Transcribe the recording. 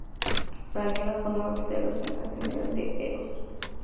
Fragaria forma parte de la familia asteroidal de Eos.